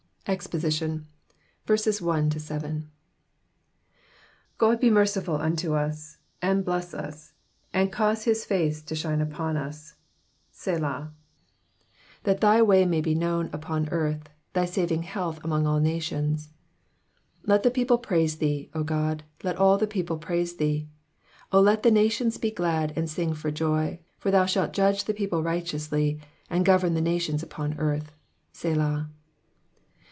EXPOSITION. GOD be merciful unto us, and bless us ; and cause his face to shine upon us ; Selah. 2 That thy way may be known upon earth, thy saving health among all nations. 3 Let the people praise thee, O God ; let all the people praise thee. 4 O let the nations be glad and sing for joy : for thou shalt judge the people righteously, and govern the nations upon earth. Selah.